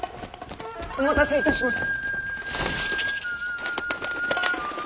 お待たせいたしまし！